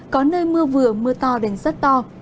có nơi mưa vừa mưa to đến rất to